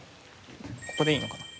ここでいいのかな？